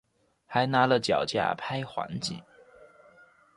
还拿了脚架拍环景